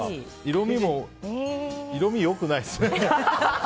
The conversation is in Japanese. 色味も色味、良くないですね。